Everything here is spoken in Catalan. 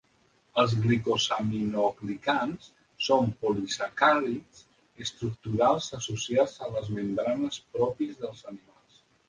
Els glicosaminoglicans són polisacàrids estructurals associats a les membranes propis dels animals.